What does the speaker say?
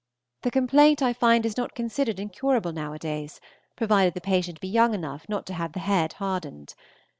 The complaint I find is not considered incurable nowadays, provided the patient be young enough not to have the head hardened.